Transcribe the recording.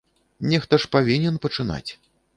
Нехта ж павінен пачынаць.